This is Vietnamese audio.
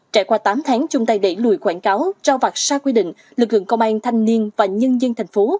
trải qua tám tháng chung tay đẩy lùi quảng cáo trao vặt xa quy định lực lượng công an thanh niên và nhân dân thành phố